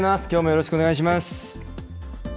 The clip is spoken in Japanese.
きょうもよろしくお願いします。